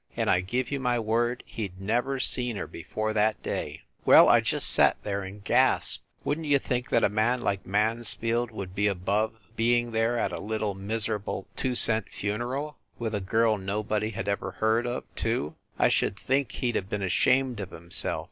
And I give you my word he d never seen her before that day ! Well, I just sat there and gasped! Wouldn t you think that a man like Mansfield would be above be ing there at a little, miserable two cent funeral with a girl nobody had ever heard of, too? I should think he d have been ashamed of himself!